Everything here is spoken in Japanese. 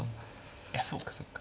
いやそうかそうか。